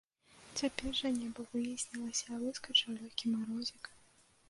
Цяпер жа неба выяснілася, выскачыў лёгкі марозік.